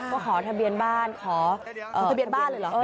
ก็ขอทะเบียนบ้านขอทะเบียนบ้านเลยเหรอ